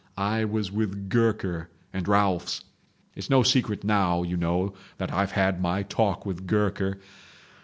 I was with Gurker and Ralphs—it's no secret now you know that I've had my talk with Gurker.